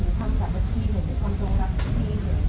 ถ้าเป็นประธานชีวิตงานเราไม่แน่ก็ใช่